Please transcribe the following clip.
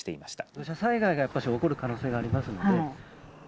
土砂災害が起こる可能性がありますので。